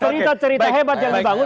cerita cerita hebat yang dibangun